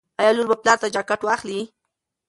ایا لور به پلار ته جاکټ واخلي؟